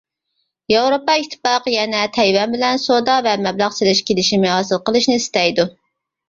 ياۋروپا ئىتتىپاقى يەنە تەيۋەن بىلەن سودا ۋە مەبلەغ سېلىش كېلىشىمى ھاسىل قىلىشنى ئىستەيدۇ.